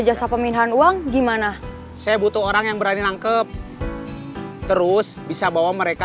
jaka pemindahan uang gimana saya butuh orang yang berani nangkep terus bisa bawa mereka